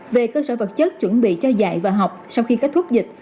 về cơ sở vật chất chuẩn bị cho dạy và học sau khi kết thúc dịch